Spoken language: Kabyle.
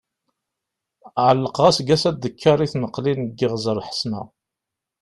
Ɛelqeɣ aseggas-a dekkeṛ i tneqlin deg Iɣzeṛ Ḥesna.